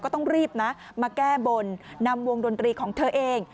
ก็ต้องรีบนะมาแก้บนนำวงดนตรีของเธอเอง